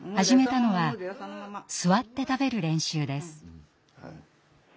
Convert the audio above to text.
始めたのは座って食べる練習です。